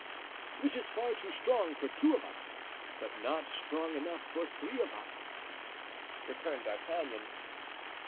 "Which is far too strong for two of us, but not strong enough for three of us," returned D'Artagnan.